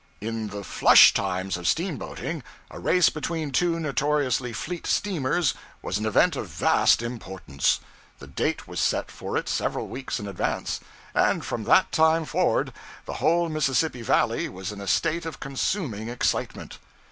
In the 'flush times' of steamboating, a race between two notoriously fleet steamers was an event of vast importance. The date was set for it several weeks in advance, and from that time forward, the whole Mississippi Valley was in a state of consuming excitement.